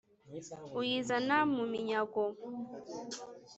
uyizana mu minyago.